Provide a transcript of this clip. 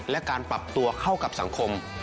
และการปรับตัวเข้ากับสังคม